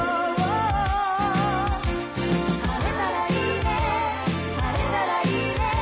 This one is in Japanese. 「晴れたらいいね晴れたらいいね」